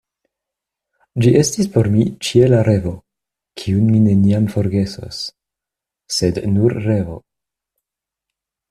Ĝi estis por mi ĉiela revo, kiun mi neniam forgesos, sed nur revo.